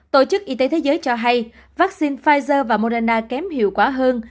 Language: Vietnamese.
tổ chức y tế thế giới cho hay vaccine pfizer và morena kém hiệu quả hơn